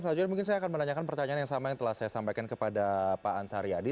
selanjutnya mungkin saya akan menanyakan pertanyaan yang sama yang telah saya sampaikan kepada pak ansar yadi